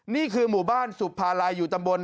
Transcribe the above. นี่คือหมู่บ้านสุภาลัยอยู่ตำบล